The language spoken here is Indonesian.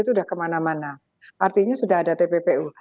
itu sudah kemana mana artinya sudah ada tppu